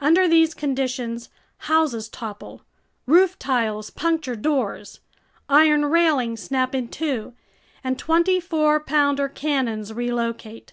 Under these conditions houses topple, roof tiles puncture doors, iron railings snap in two, and twenty four pounder cannons relocate.